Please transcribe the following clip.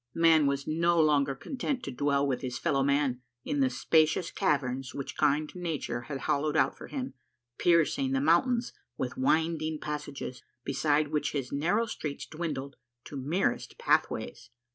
Man was no longer content to dwell with his fellow man in the spacious caverns which kind nature had hol lowed out for him, piercing the mountains with winding passages beside which his . narrow streets dwindled to merest j)athways."